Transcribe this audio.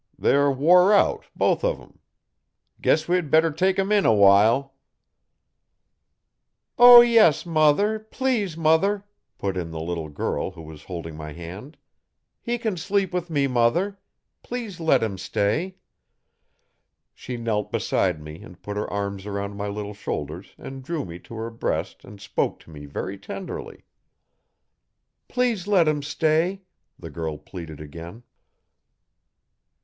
They're worn out both uv 'em. Guess we'd better take 'em in awhile.' 'O yes, mother please, mother,' put in the little girl who was holding my hand. 'He can sleep with me, mother. Please let him stay.' She knelt beside me and put her arms around my little shoulders and drew me to her breast and spoke to me very tenderly. 'Please let him stay,' the girl pleaded again.